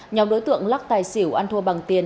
nhóm đối tượng lắc tài xỉu ăn thua bằng tiền